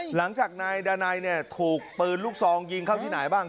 หลังจากนายดานัยถูกปืนลูกซองยิงเข้าที่ไหนบ้าง